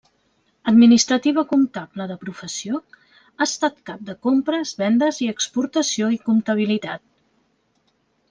Administrativa comptable de professió, ha estat cap de compres, vendes i exportació i comptabilitat.